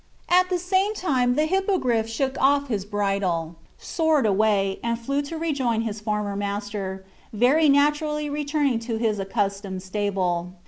At the same time the Hippogriff shook off his bridle, soared away, and flew to rejoin his former master, very naturally returning to his accustomed stable.